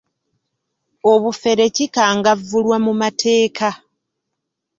Obufere kikangavvulwa mu mateeka.